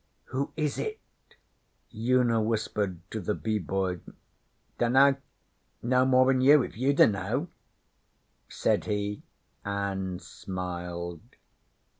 'Who is it?' Una whispered to the Bee Boy. 'Dunno, no more'n you if you dunno,' said he, and smiled.